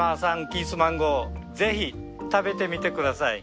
キーツマンゴーぜひ食べてみてください。